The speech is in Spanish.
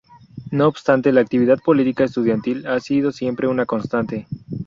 No obstante, la actividad política estudiantil ha sido siempre una constante.